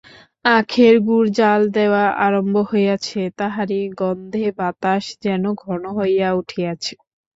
আখের গুড় জ্বাল দেওয়া আরম্ভ হইয়াছে, তাহারই গন্ধে বাতাস যেন ঘন হইয়া উঠিয়াছে।